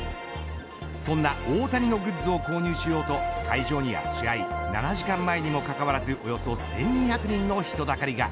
そんな大谷のグッズを購入しようと会場には試合７時間前にもかかわらずおよそ１２００人の人だかりが。